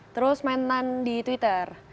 terus mainan di twitter